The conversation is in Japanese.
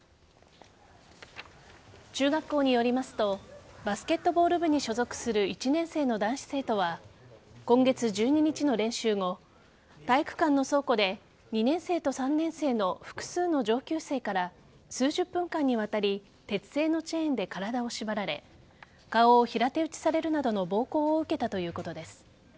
中学校によりますとバスケットボール部に所属する１年生の男子生徒は今月１２日の練習後体育館の倉庫で２年生と３年生の複数の上級生から数十分間にわたり鉄製のチェーンで体を縛られ顔を平手打ちされるなどの暴行を受けたということです。